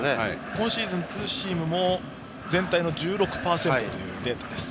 今シーズン、ツーシームも全体の１６％というデータです。